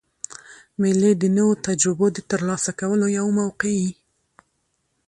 مېلې د نوو تجربو د ترلاسه کولو یوه موقع يي.